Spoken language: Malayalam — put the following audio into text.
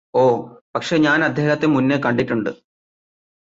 ഓ പക്ഷേ ഞാനദ്ദേഹത്തെ മുന്നേ കണ്ടിട്ടുണ്ട്